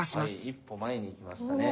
一歩前に行きましたね